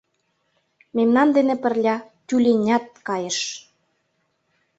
Мемнан дене пырля тюленят кайыш.